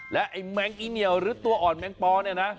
และไอ้แมงอีเหนียวหรือตัวอ่อนแมงปอเนี่ยนะ